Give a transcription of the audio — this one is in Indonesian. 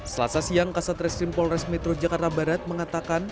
selasa siang kasat reskrim polres metro jakarta barat mengatakan